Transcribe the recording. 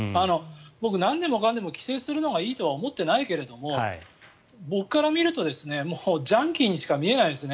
僕、なんでもかんでも規制するのがいいと思ってないけど僕から見るとジャンキーにしか見えないですね。